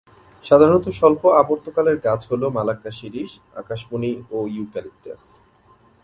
সাধারণত স্বল্প আবর্তকালের গাছ হলো মালাক্কা শিরীষ, আকাশমণি ও ইউক্যালিপটাস।